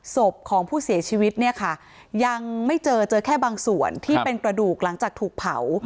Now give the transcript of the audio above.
ศพของผู้เสียชีวิตเนี่ยค่ะยังไม่เจอเจอแค่บางส่วนที่เป็นกระดูกหลังจากถูกเผา